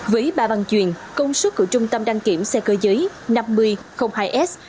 với ba băng chuyền công suất của trung tâm đăng kiểm xe cơ giới năm nghìn hai s